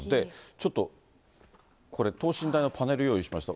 ちょっとこれ、等身大のパネル、用意しました。